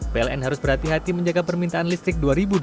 pln harus berhati hati menjaga permintaan listrik dua ribu dua puluh